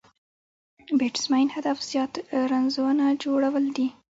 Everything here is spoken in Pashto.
د بېټسمېن هدف زیات رنزونه جوړول دي.